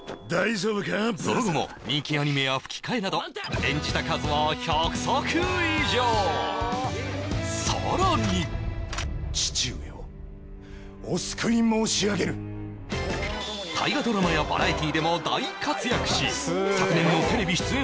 その後も人気アニメや吹き替えなど演じた数は１００作以上さらに父上をお救い申し上げる大河ドラマやバラエティーでも大活躍し昨年のテレビ出演